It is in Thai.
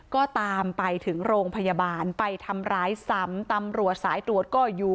ก็ตามไปถึงโรงพยาบาลไปทำร้ายซ้ำตำรวจสายตรวจก็อยู่